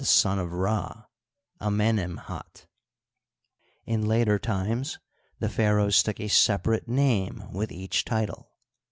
41 son of Ra, Amenemkdt, In later times the Pharaohs took a separate name with each title.